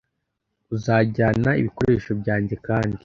uzajyana ibikoresho byanjye kandi